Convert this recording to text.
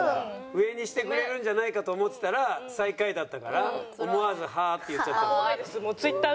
上にしてくれるんじゃないかと思ってたら最下位だったから思わず「はあ？」って言っちゃったのね。